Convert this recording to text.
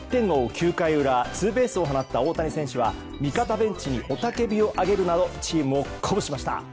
９回裏ツーベースを放った大谷選手は味方ベンチに雄たけびを上げるなどチームを鼓舞しました。